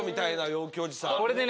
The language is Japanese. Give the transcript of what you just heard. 陽気おじさん。